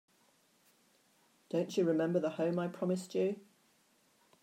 Don't you remember the home I promised you?